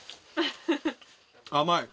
甘い！